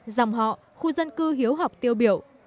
dòng họ khu dân cư hiếu học tiêu biểu